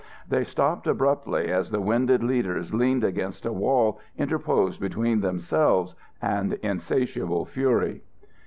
They stopped abruptly as the winded leaders leaned against a wall interposed between themselves and insatiable fury.